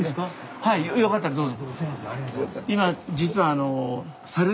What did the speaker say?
はいよかったらどうぞ。